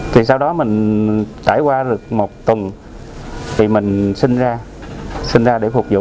thì sau đó mình trải qua được một tuần thì mình sinh ra sinh ra để phục vụ